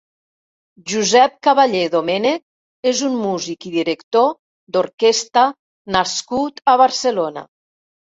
Josep Caballé Domenech és un músic i director d´orquestra nascut a Barcelona.